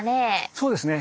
そうですね。